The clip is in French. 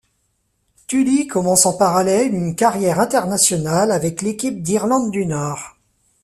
Tully commence en parallèle une carrière internationale avec l'équipe d'Irlande du Nord.